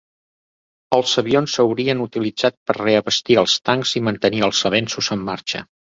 Els avions s'haurien utilitzat per reabastir els tancs i mantenir els avenços en marxa.